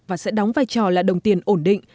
và sẽ đóng vai trò là đồng tiền ổn định